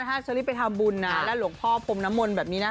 ถ้าเชอรี่ไปทำบุญนะแล้วหลวงพ่อพรมน้ำมนต์แบบนี้นะ